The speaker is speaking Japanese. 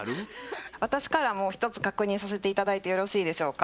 私からもひとつ確認させて頂いてよろしいでしょうか？